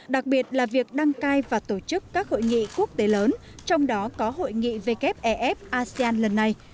đặc biệt là việc đăng cai và tổ chức các hội nghị quốc tế lớn trong đó có hội nghị wef asean lần này